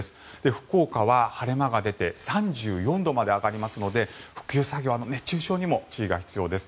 福岡は晴れ間が出て３４度まで上がりますので復旧作業は熱中症にも注意が必要です。